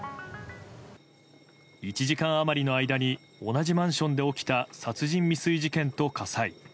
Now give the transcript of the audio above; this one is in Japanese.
１時間余りの間に同じマンションで起きた殺人未遂事件と火災。